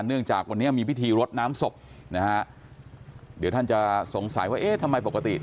เนื่องจากวันนี้มีพิธีรดน้ำศพนะฮะเดี๋ยวท่านจะสงสัยว่าเอ๊ะทำไมปกติ